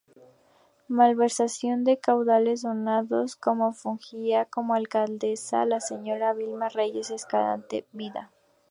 Malversación de caudales donados: Cuando fungía como Alcaldesa la señora Vilma Reyes Escalante vda.